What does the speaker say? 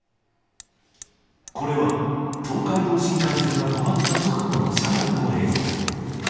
これは、東海道新幹線が止まった直後の車内の映像。